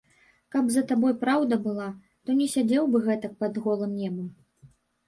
Каб за табой праўда была, то не сядзеў бы гэтак пад голым небам.